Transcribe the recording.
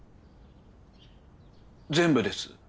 全部です。